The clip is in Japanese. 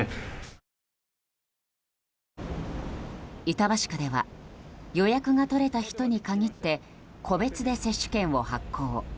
板橋区では予約が取れた人に限って個別で接種券を発行。